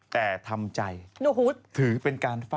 แต่ทำใจถือเป็นการฝ่ายเขา